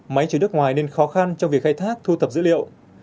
máy chứa nước ngoài nên khó khăn trong việc khai thác thu thập dữ liệu